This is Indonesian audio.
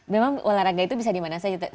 memang olahraga itu bisa dimana saja